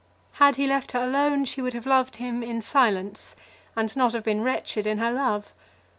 Had he left her alone she would have loved him in silence, and not have been wretched in her love.